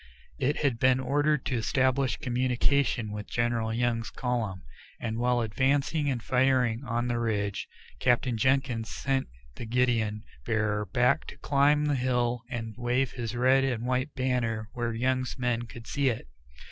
It had been ordered to establish communication with General Young's column, and while advancing and firing on the ridge, Captain Jenkins sent the guidon bearer back to climb the hill and wave his red and white banner where Young's men could see it.